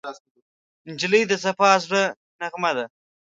نجلۍ د صفا زړه نغمه ده.